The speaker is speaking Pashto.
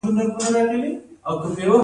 د یوکالیپټوس پاڼې د څه لپاره وکاروم؟